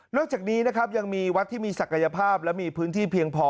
จากนี้นะครับยังมีวัดที่มีศักยภาพและมีพื้นที่เพียงพอ